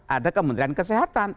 ada kementerian kesehatan